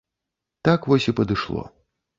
Так вось і падышло.